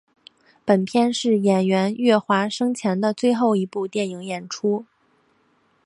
本片是演员岳华生前的最后一部电影演出。